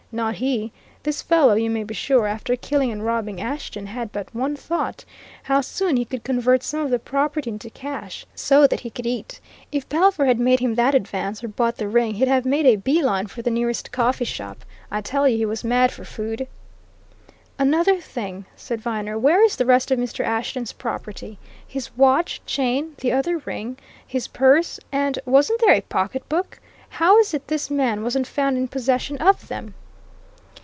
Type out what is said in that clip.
Not he! This fellow, you may be sure, after killing and robbing Ashton, had but one thought how soon he could convert some of the property into cash, so that he could eat. If Pelver had made him that advance, or bought the ring, he'd have made a bee line for the nearest coffee shop. I tell you he was mad for food!" "Another thing," said Viner. "Where is the rest of Mr. Ashton's property his watch, chain, the other ring, his purse, and wasn't there a pocketbook? How is it this man wasn't found in possession of them?"